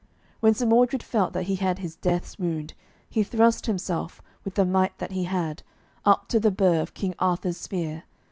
When Sir Mordred felt that he had his death's wound, he thrust himself, with the might that he had, up to the bur of King Arthur's spear.